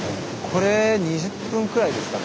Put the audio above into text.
これ２０分くらいですかね。